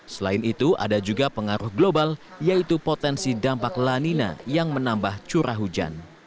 selain itu ada juga pengaruh global yaitu potensi dampak lanina yang menambah curah hujan